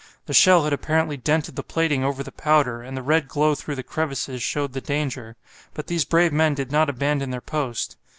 The shell had apparently dented the plating over the powder, and the red glow through the crevices showed the danger. But these brave men did not abandon their post.